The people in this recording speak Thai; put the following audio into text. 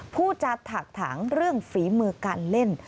ผู้จัดถักถังเรื่องฝีมือการเล่น